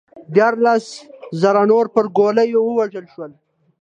دیارلس زره نور پر ګولیو ووژل شول